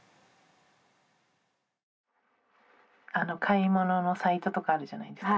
「買い物のサイトとかあるじゃないですか。